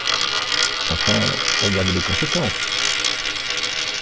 Enfin, regardez les conséquences !